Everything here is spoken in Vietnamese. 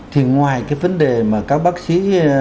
thì ngoài cái vấn đề mà các bác sĩ